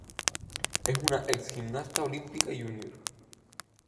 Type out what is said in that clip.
Es una ex gimnasta olímpica junior.